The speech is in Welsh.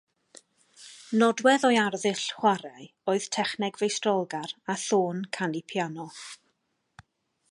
Nodwedd o'i arddull chwarae oedd techneg feistrolgar a thôn canu piano.